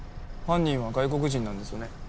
犯人は外国人なんですよね？